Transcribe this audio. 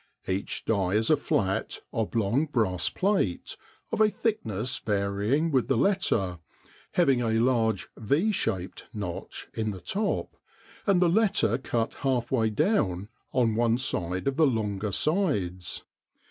Each die is a flat, oblong brass plate, of a thickness varying with the letter, having a large V shaped notch in the top, and the letter cut half way down on one of the longer sides.